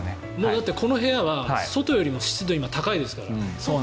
だってこの部屋は外よりも今湿度が高いですから。